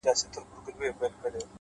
• زما اشنا خبري پټي ساتي،